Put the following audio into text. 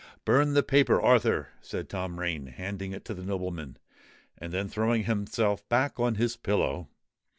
"Burn the paper, Arthur," said Tom Rain, handing it to the nobleman, and then throwing himself back on his pillow.